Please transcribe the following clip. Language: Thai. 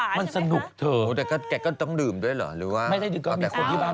มันสนุกเถอะแต่แกก็ต้องดื่มด้วยเหรอหรือว่าไม่ได้ดื่มก่อนแต่คนที่บ้าน